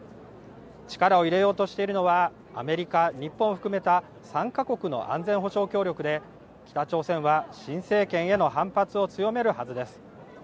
力を入れようとしているのはアメリカ、日本を含めた３か国の安全保障協力で、北朝鮮は新政権への反発を強めるはずです。